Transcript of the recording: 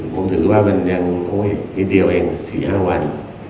ผมถึงว่ามันอย่างเดียวเอง๔๕วัน